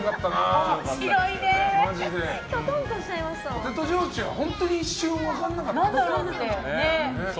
ポテト焼酎は本当に一瞬分かんなかった。